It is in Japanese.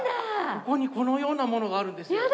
ここにこのようなものがあるんですよ。